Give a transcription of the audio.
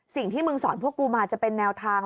สิ่งที่มึงสอนพวกกูมาจะเป็นแนวทาง